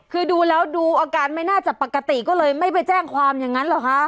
คือดูแล้วดูอาการไม่น่าจะปกติก็เลยไม่ไปแจ้งความอย่างนั้นเหรอคะ